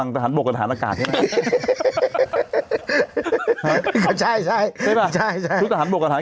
งงเลยกัน